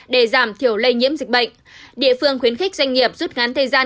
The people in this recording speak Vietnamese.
để giảm thiểu lây nhiễm dịch bệnh địa phương khuyến khích doanh nghiệp rút ngắn thời gian